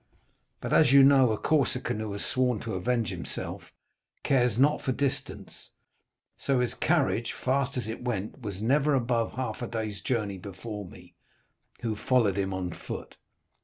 But, as you know, a Corsican who has sworn to avenge himself cares not for distance, so his carriage, fast as it went, was never above half a day's journey before me, who followed him on foot.